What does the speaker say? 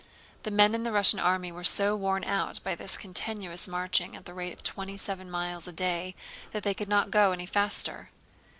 The men in the Russian army were so worn out by this continuous marching at the rate of twenty seven miles a day that they could not go any faster.